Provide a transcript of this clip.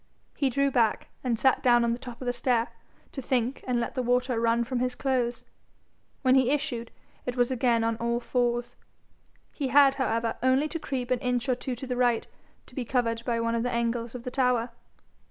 He drew back, and sat down on the top of the stair to think and let the water run from his clothes. When he issued, it was again on all fours. He had, however, only to creep an inch or two to the right to be covered by one of the angles of the tower.